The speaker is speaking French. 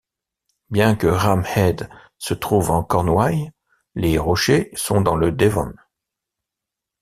Bien que Rame Head se trouve en Cornouailles, les rochers sont dans le Devon.